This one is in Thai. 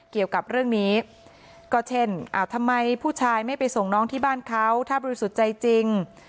เกี่ยวกับเรื่องนี้ก็เช่นทำไมผู้ชายไม่ไปส่งน้องที่บ้านเขาถ้าบริสุทธิ์ใจจริง